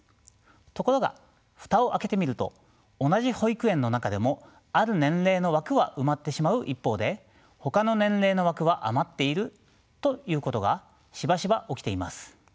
ところが蓋を開けてみると同じ保育園の中でもある年齢の枠は埋まってしまう一方でほかの年齢の枠は余っているということがしばしば起きています。